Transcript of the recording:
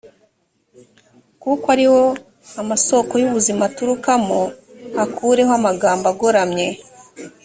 kuko ari wo amasoko y ubuzima aturukamo akureho amagambo agoramye